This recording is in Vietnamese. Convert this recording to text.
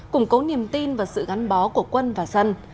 củng cố niềm tin và sự gắn bó của quân và dân